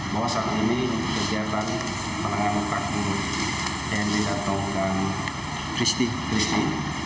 bahwa saat ini kegiatan penanganan kasus ini di datangkan christi